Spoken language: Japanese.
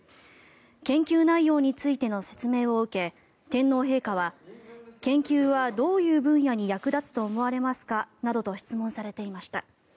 研究内容についての説明を受け天皇陛下は研究はどういう分野に役立つと思われますか？などと質問されていました。